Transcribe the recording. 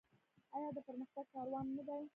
آیا د پرمختګ کاروان نه دی؟